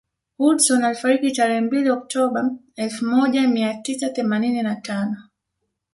Hudson alifariki tarehe mbili Oktoba elfu moja mia tisa themanini na tano